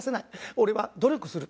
俺は努力する。